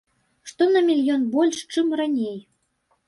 Што на мільён больш, чым раней.